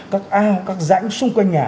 các ao các rãnh xung quanh nhà